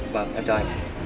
vâng em chào anh